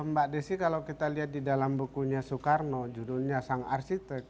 mbak desi kalau kita lihat di dalam bukunya soekarno judulnya sang arsitek